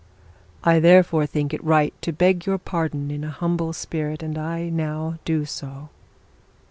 'I therefore think it right to beg your pardon in a humble spirit, and I now do so.'